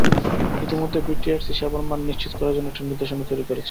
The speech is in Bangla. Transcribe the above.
ইতিমধ্যে বিটিআরসি সেবার মান নিশ্চিত করার জন্য একটি নির্দেশনা তৈরি করেছে।